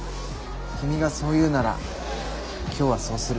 君がそう言うなら今日はそうする。